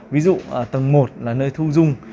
ví dụ tầng một là nơi thu dung